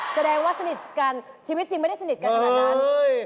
แสดงว่าสนิทกันชีวิตจริงไม่ได้สนิทกันขนาดนั้น